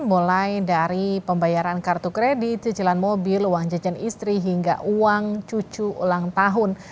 mulai dari pembayaran kartu kredit cicilan mobil uang jajan istri hingga uang cucu ulang tahun